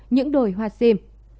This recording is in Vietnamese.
những đồi hoa xìm